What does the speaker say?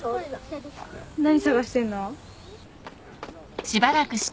何探してるの？